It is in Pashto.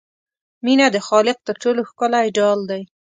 مینه د خالق تر ټولو ښکلی ډال دی.